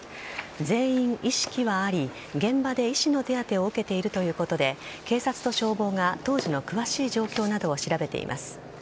全員、意識はあり現場で医師の手当てを受けているということで警察と消防が当時の詳しい状況などを調べています。